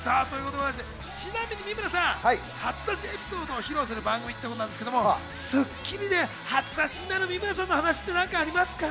ちなみに三村さん、初出しエピソードを披露する番組ということですが、『スッキリ』で初出しになる三村さんの話ってありますか？